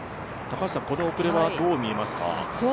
この遅れはどう見ますか？